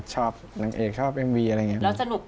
หรือยืนเท่หรอ